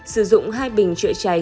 sử dụng hai bình trợ cháy